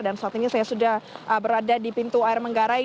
dan saat ini saya sudah berada di pintu air manggarai